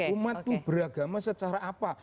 umatku beragama secara apa